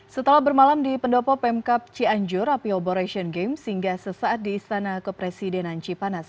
setelah bermalam di pendopo pemkap cianjur api obor asian games hingga sesaat di istana kepresidenan cipanas